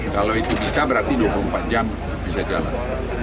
kalau itu bisa berarti dua puluh empat jam bisa jalan